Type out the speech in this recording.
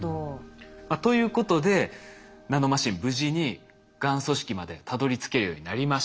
ということでナノマシン無事にがん組織までたどりつけるようになりました。